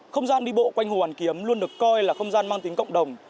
không gian đi bộ quanh hồ hoàn kiếm luôn được coi là không gian mang tính cộng đồng